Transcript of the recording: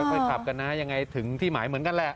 ค่อยขับกันนะยังไงถึงที่หมายเหมือนกันแหละ